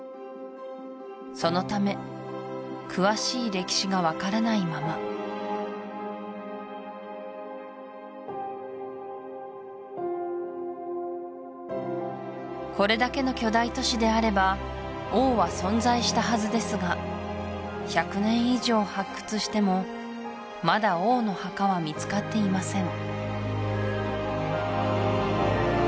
そのため詳しい歴史が分からないままこれだけの巨大都市であれば王は存在したはずですが１００年以上発掘してもまだ王の墓は見つかっていません